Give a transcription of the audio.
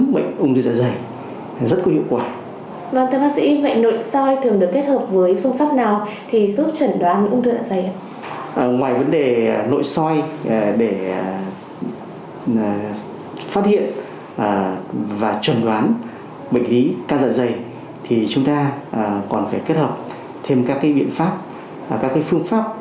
bệnh lý về ung thư dạ dày là một bệnh lý đứng hàng thứ năm thứ sáu thứ bảy thứ tám thứ chín thứ một mươi